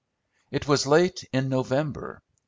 It was late in November.